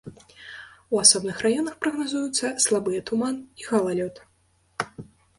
У асобных раёнах прагназуюцца слабыя туман і галалёд.